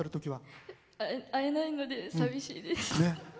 会えないので、さびしいです。